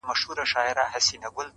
د هغې خوله ، شونډي ، پېزوان او زنـي.